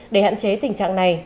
để hạn chế tình trạng này